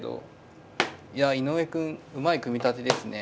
いや井上くんうまい組み立てですね。